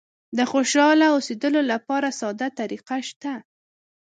د خوشاله اوسېدلو لپاره ساده طریقه شته.